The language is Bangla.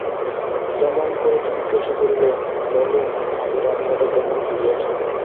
ক্ষেমংকরী জিজ্ঞাসা করিলেন, নলিন, আজ রান্নাটা কেমন হইয়াছে?